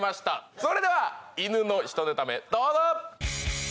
それではいぬの１ネタ目どうぞ！